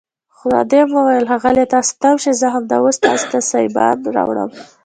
خادم وویل ښاغلیه تاسي تم شئ زه همدا اوس تاسي ته سایبان راوړم.